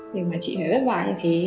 để mà chị phải vất vả như thế